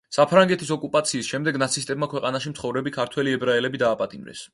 საფრანგეთის ოკუპაციის შემდეგ, ნაცისტებმა ქვეყანაში მცხოვრები ქართველი ებრაელები დააპატიმრეს.